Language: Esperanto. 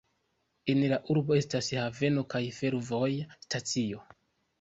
En la urbo estas haveno kaj fervoja stacio.